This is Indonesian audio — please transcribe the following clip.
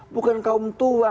bukan kaum tua